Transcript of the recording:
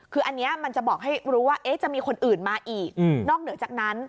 คืออันนี้มันจะบอกให้รู้ว่าจะมีคนอื่นมาอีกนอกเหนือจากนั้น